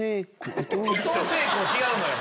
違うのよ！